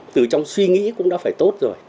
từ trong suy nghĩ cũng đã phải tốt rồi